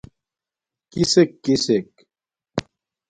کِسݵک کِسݵک؟